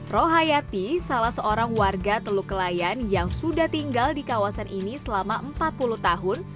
rohayati salah seorang warga teluk kelayan yang sudah tinggal di kawasan ini selama empat puluh tahun